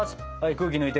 空気抜いて。